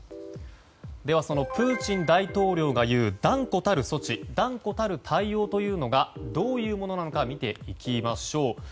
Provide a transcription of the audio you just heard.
では、プーチン大統領が言う断固たる措置断固たる対応というのがどういうものなのか見ていきましょう。